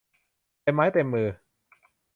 เต็มไม้เต็มมือ